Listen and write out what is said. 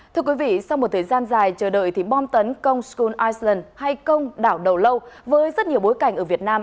thưa quý vị sau một thời gian dài chờ đợi thì bom tấn công scon island hay công đảo đầu lâu với rất nhiều bối cảnh ở việt nam